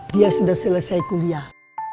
dia sudah selesai kuliah